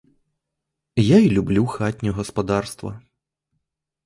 Я й люблю хатнє господарство.